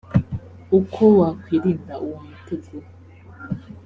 uko wakwirinda uwo mutego